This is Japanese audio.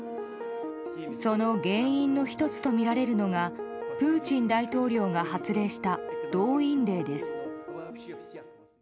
その原因の１つとみられるのがプーチン大統領が発令した動員令です。